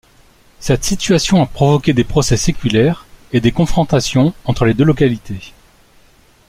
Cette situation a provoqué des procès séculaires et des confrontations entre les deux localités.